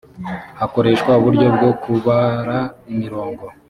hakoreshwa uburyo bwo kubara imirongo